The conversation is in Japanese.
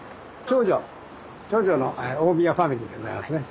長女の大宮ファミリーでございますね。